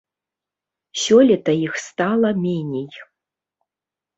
Сёлета іх стала меней.